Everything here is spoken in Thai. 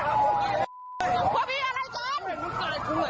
รู้มากกับหนูดี